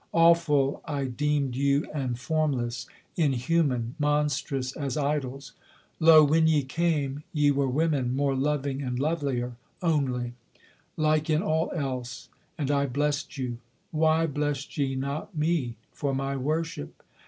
Awful I deemed you and formless; inhuman, monstrous as idols; Lo, when ye came, ye were women, more loving and lovelier, only; Like in all else; and I blest you: why blest ye not me for my worship?